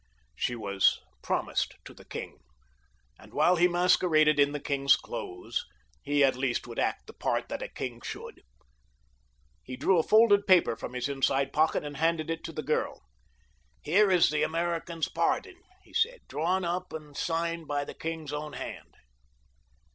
She was promised to the king, and while he masqueraded in the king's clothes, he at least would act the part that a king should. He drew a folded paper from his inside pocket and handed it to the girl. "Here is the American's pardon," he said, "drawn up and signed by the king's own hand."